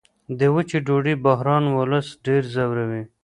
د وچې ډوډۍ بحران ولس ډېر ځوروي.